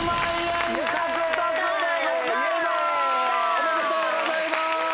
おめでとうございます。